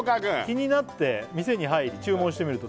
「気になって」「店に入り注文してみると」